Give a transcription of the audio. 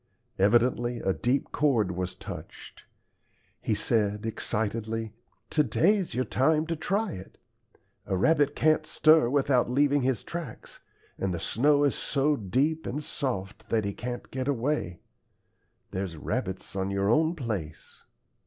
Evidently a deep chord was touched. He said, excitedly: "To day's your time to try it. A rabbit can't stir without leaving his tracks, and the snow is so deep and soft that he can't get away. There's rabbits on your own place."